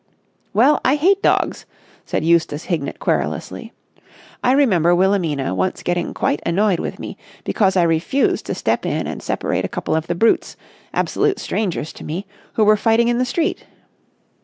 "Well, I hate dogs," said Eustace Hignett querulously. "I remember Wilhelmina once getting quite annoyed with me because I refused to step in and separate a couple of the brutes, absolute strangers to me, who were fighting in the street.